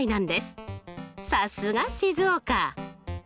さすが静岡！